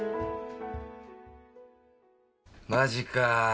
マジか？